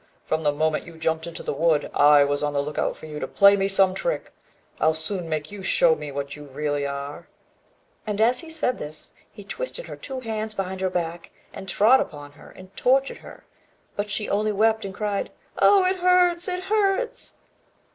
From the moment you jumped into the wood, I was on the look out for you to play me some trick. I'll soon make you show what you really are;" and as he said this, he twisted her two hands behind her back, and trod upon her, and tortured her; but she only wept, and cried "Oh! it hurts, it hurts!"